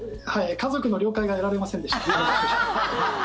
家族の了解が得られませんでした。